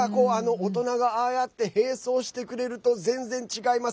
大人が、ああやって並走してくれると全然違います。